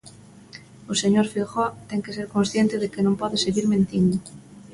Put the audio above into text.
O señor Feijóo ten que ser consciente de que non pode seguir mentindo.